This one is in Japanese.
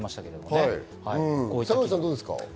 坂口さん、どうですか？